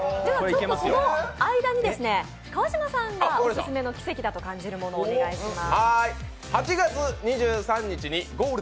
その間に川島さんがオススメの奇跡だと感じるもの、お願いします。